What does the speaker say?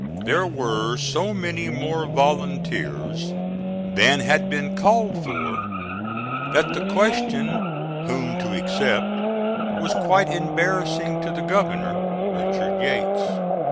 There were so many more volunteers than had been called for that the question whom to accept was quite embarrassing to the governor, Richard Yates.